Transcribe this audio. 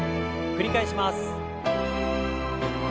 繰り返します。